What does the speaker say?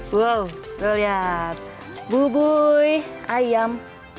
wow lihat bubui ayam